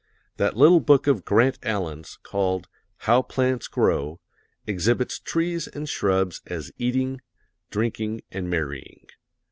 That little book of Grant Allen's called "How Plants Grow" exhibits trees and shrubs as eating, drinking and marrying.